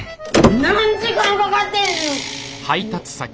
何時間かかってんのよ。